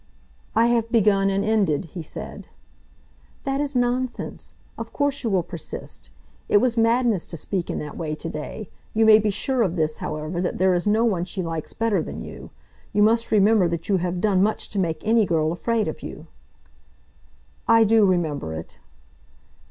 "I have begun and ended," he said. "That is nonsense. Of course you will persist. It was madness to speak in that way to day. You may be sure of this, however, that there is no one she likes better than you. You must remember that you have done much to make any girl afraid of you." "I do remember it."